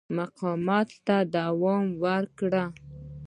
مقاومت ته دوام ورکړ.